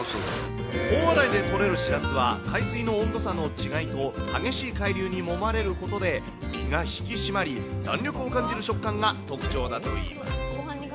大洗で取れるシラスは、海水の温度差の違いと激しい海流にもまれることで身が引き締まり、弾力を感じる食感が特徴だといいます。